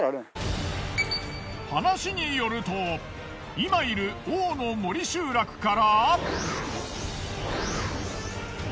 話によると今いる大野森集落から。